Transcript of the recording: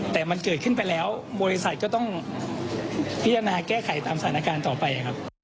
แต่มันเกิดขึ้นไปแล้วบริษัทก็ต้องพิจารณาแก้ไขตามสถานการณ์ต่อไปครับ